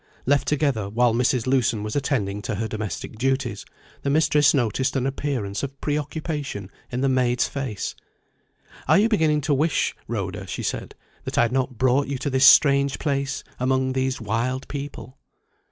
Left together, while Mrs. Lewson was attending to her domestic duties, the mistress noticed an appearance of pre occupation in the maid's face. "Are you beginning to wish, Rhoda," she said, "that I had not brought you to this strange place, among these wild people?"